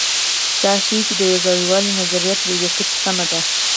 دا ښيي، چې د یوځایوالي نظریه تر یوې کچې سمه ده.